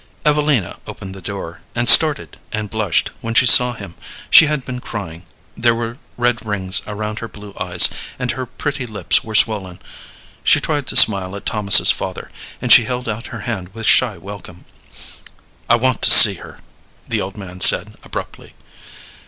Evelina opened the door, and started and blushed when she saw him. She had been crying; there were red rings around her blue eyes, and her pretty lips were swollen. She tried to smile at Thomas's father, and she held out her hand with shy welcome. "I want to see her," the old man said, abruptly.